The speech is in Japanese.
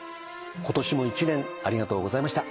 今年も１年ありがとうございました。